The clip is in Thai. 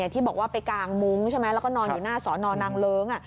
ที่บอกว่าไปกางมุ้งใช่ไหมแล้วก็นอนอยู่หน้าสอนอนางเลิ้ง